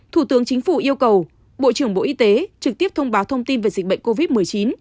thủ tướng chính phủ yêu cầu bộ trưởng bộ y tế trực tiếp thông báo thông tin về dịch bệnh covid một mươi chín